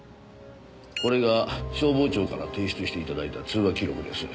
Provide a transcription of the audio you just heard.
これが消防庁から提出して頂いた通話記録です。